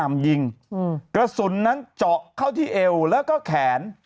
ยิงกระสุนนั้นเจาะเข้าที่เอวแล้วก็แขน